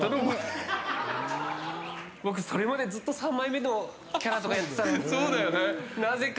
僕それまでずっと三枚目のキャラとかやってたのになぜか。